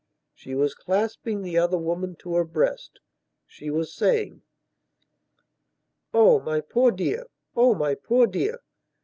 She was clasping the other woman to her breast; she was saying: "Oh, my poor dear; oh, my poor dear."